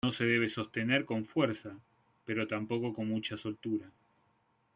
No se debe sostener con fuerza, pero tampoco con mucha soltura.